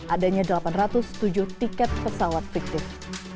adanya delapan ratus tujuh tiket pesawat fiktif